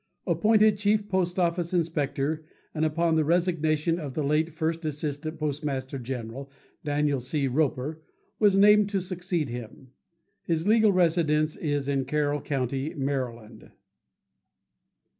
Appointed Chief Post Office Inspector and upon the resignation of the late First Assistant Postmaster General, Daniel C. Roper, was named to succeed him. His legal residence is in Carroll Co., Md.